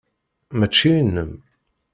Mačči inem.